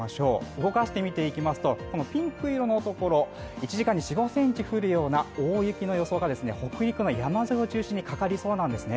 動かして見ていきますと、このピンク色のところ、１時間に４５ｃｍ降るような大雪の予想が北陸の山沿いを中心にかかりそうなんですね。